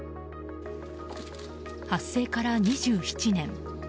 発生から２７年。